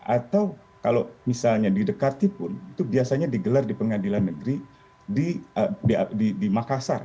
atau kalau misalnya didekati pun itu biasanya digelar di pengadilan negeri di makassar